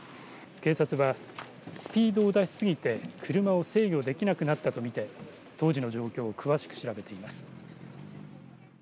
警察はスピードを出しすぎて車を制御できなくなったと見て当時の状況を詳しく調べています。